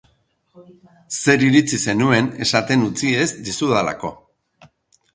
Zer iritzi zenuen esaten utzi ez dizudalako.